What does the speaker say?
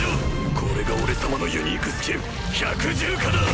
これが俺様のユニークスキル百獣化だ！